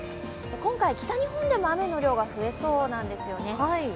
今回、北日本でも雨の量が増えそうなんですよね。